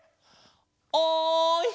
おい！